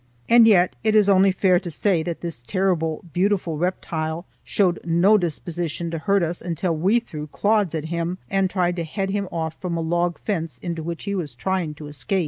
And yet it is only fair to say that this terrible, beautiful reptile showed no disposition to hurt us until we threw clods at him and tried to head him off from a log fence into which he was trying to escape.